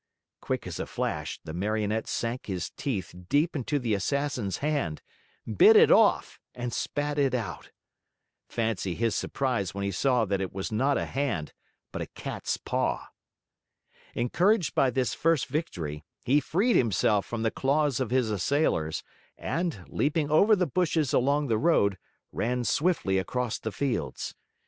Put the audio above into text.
Quick as a flash, the Marionette sank his teeth deep into the Assassin's hand, bit it off and spat it out. Fancy his surprise when he saw that it was not a hand, but a cat's paw. Encouraged by this first victory, he freed himself from the claws of his assailers and, leaping over the bushes along the road, ran swiftly across the fields.